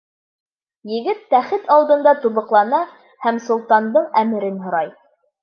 Егет тәхет алдында тубыҡлана һәм солтандың әмерен һорай.